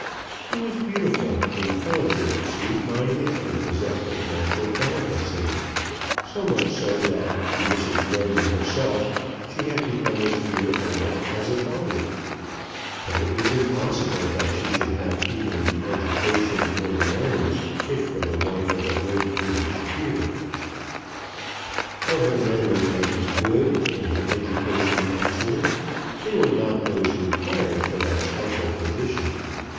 She was beautiful, intelligent, sweet minded, and possessed of natural delicacy, so much so that to Mrs. Roden herself she had become as dear almost as a daughter; but it was impossible that she should have either the education or the manners fit for the wife of a great English peer. Though her manners might be good and her education excellent, they were not those required for that special position.